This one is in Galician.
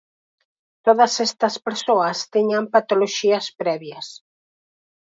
Todas estas persoas tiñan patoloxías previas.